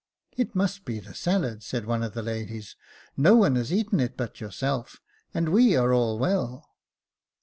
" It must be the salad," said one of the ladies ;" no one has eaten it but yourself, and we are all well."